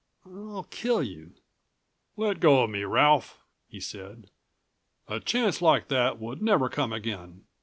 I'll kill you." "Let go of me, Ralph," he said. "A chance like that would never come again.